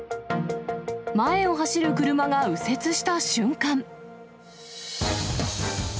前を走る車が右折した瞬間。